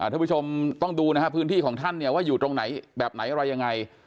ทุกผู้ชมต้องดูนะฮะพื้นที่ของท่านเนี่ยว่าอยู่ตรงไหนแบบไหนอะไรยังไง